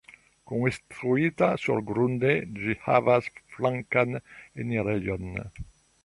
Konstruita surgrunde, ĝi havas flankan enirejon.